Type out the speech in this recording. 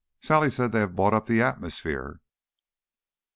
"Sally says they have bought up the atmosphere."